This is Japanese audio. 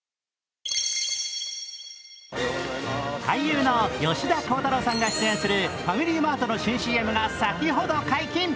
俳優の吉田鋼太郎さんが出演するファミリーマートの新ＣＭが先ほど解禁。